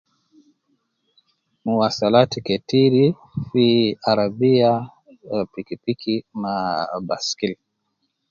Mwasalaat ketiri fi arabiya wa piki piki ma baskili.